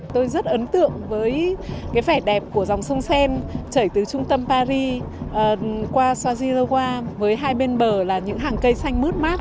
tôi rất ấn tượng với vẻ đẹp của dòng sông sen chảy từ trung tâm paris qua sojirowa với hai bên bờ là những hàng cây xanh mướt mát